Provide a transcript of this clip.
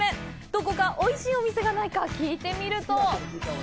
どこかおいしいお店がないか聞いていると。